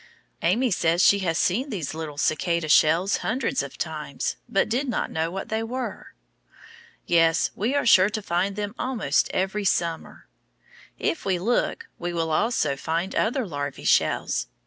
Amy says she has seen these little cicada shells hundreds of times but did not know what they were. Yes, we are sure to find them almost every summer. If we look, we will also find other larvæ shells.